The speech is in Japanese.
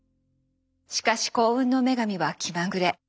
しかし幸運の女神は気まぐれ。